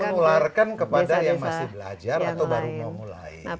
jadi mengeluarkan kepada yang masih belajar atau baru mau mulai